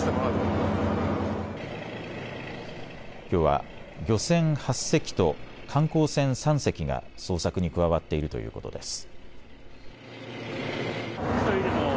きょうは漁船８隻と観光船３隻が捜索に加わっているということです。